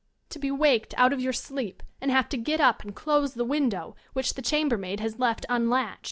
To be waked out of your sleep and have to get up and dose the window — ^which the chambermaid has left unlatched.